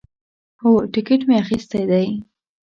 هو، ټیکټ می اخیستی دی